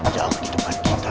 jauh di depan kita